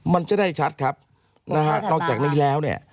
มันจะได้ชัดครับนอกจากนั้นทีแล้วเนี่ย